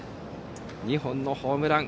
２本のホームラン。